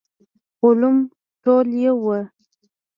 علوم ټول يو وو.